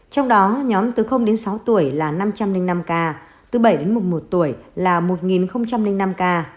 trong đó nhóm từ đến sáu tuổi là năm trăm linh năm ca từ bảy đến một tuổi là một năm ca